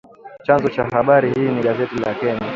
Chanzo cha habari hii ni gazeti la Kenya